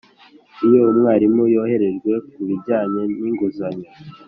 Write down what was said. Iyo umwarimu yoroherejwe kubijyanye ninguzanyo